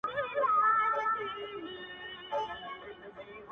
زه لکه ماشوم په منډومنډو وړانګي نیسمه-